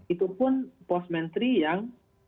itu pun pos menteri yang